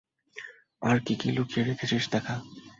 আর কী কী লুকিয়ে রেখেছিস দেখা।